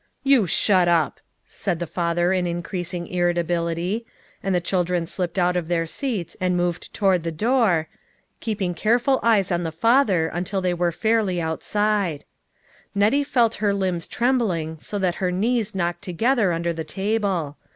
"You shut up," said the father in increasing 58 LITTLE FISHERS : AND THEIR NETS. irritability ; and the children slipped out of their seats and moved toward the door, keeping care ful eyes on the father until they were fairly out side. Nettie felt her limbs trembling so that her knees knocked together under the table.